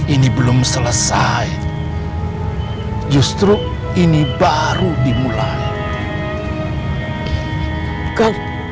ini belum selesai justru ini baru dimulai